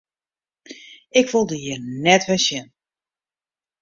Ik wol dy hjir net wer sjen!